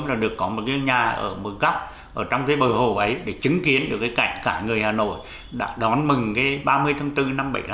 hồ gươm là được có một cái nhà ở một góc ở trong cái bờ hồ ấy để chứng kiến được cái cảnh cả người hà nội đã đón mừng cái ba mươi tháng bốn năm một nghìn chín trăm bảy mươi năm